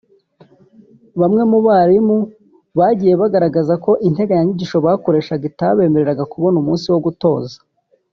Bamwe mu barimu bagiye bagaragaza ko integanyanyigisho bakoreshaga itabemereraga kubona umunsi wo gutoza